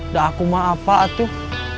udah aku mah apa tuh